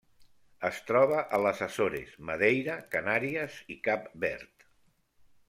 Es troba a les Açores, Madeira, Canàries i Cap Verd.